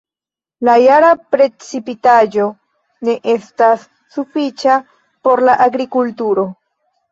La jara precipitaĵo ne estas sufiĉa por la agrikulturo.